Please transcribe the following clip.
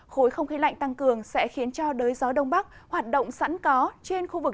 khối không khí lạnh tăng cường sẽ khiến cho đới gió đông bắc hoạt động sẵn có trên khu vực